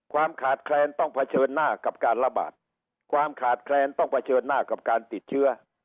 ความขาดแคลนต้องเผชิญหน้ากับการระบาดความขาดแคลนต้องเผชิญหน้ากับการติดเชื้อ